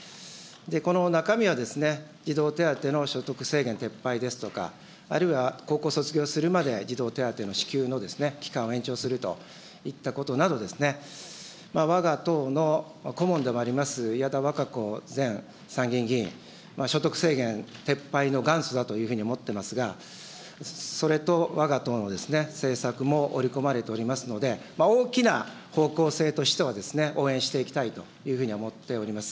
この中身は、児童手当の所得制限撤廃ですとか、あるいは高校卒業するまでは児童手当支給の期間を延長するといったことなど、わが党の顧問でもあります、前参議院議員、所得制限撤廃の元祖だというふうに思っていますが、それとわが党の政策も織り込まれておりますので、大きな方向性としては、応援していきたいというふうに思っております。